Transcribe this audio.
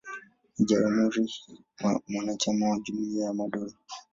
Ni jamhuri mwanachama wa Jumuiya ya Madola.